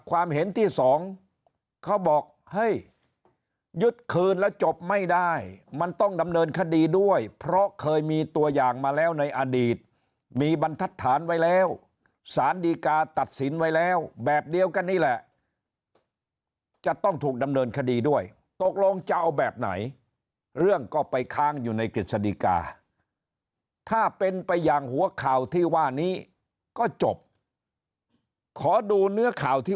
ความเห็นที่สองเขาบอกเฮ้ยยึดคืนแล้วจบไม่ได้มันต้องดำเนินคดีด้วยเพราะเคยมีตัวอย่างมาแล้วในอดีตมีบรรทัศน์ไว้แล้วสารดีกาตัดสินไว้แล้วแบบเดียวกันนี่แหละจะต้องถูกดำเนินคดีด้วยตกลงจะเอาแบบไหนเรื่องก็ไปค้างอยู่ในกฤษฎีกาถ้าเป็นไปอย่างหัวข่าวที่ว่านี้ก็จบขอดูเนื้อข่าวที่